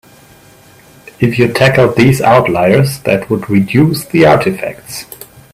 If you tackled these outliers that would reduce the artifacts.